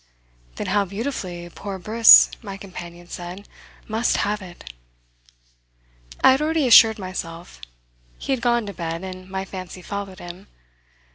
"Then how beautifully 'poor Briss,'" my companion said, "must have it!" I had already assured myself. He had gone to bed, and my fancy followed him.